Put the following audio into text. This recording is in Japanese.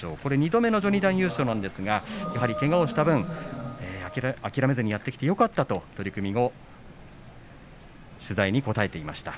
２度目の序二段優勝なんですがやはりけがをした分、諦めずにやってきてよかったと取組後取材に答えていました。